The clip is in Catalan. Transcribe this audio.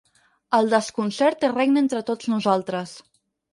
El desconcert regna entre tots nosaltres.